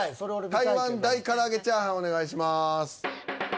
じゃあ台湾大からあげチャーハンお願いします。